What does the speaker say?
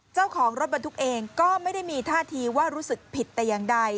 เจ้าของรถบรรทุกเองก็ไม่ได้มีท่าทีว่ารู้สึกผิดแต่อย่างใด